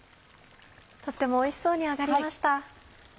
とってもおいしそうに揚がりました。